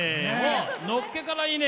のっけから、いいね！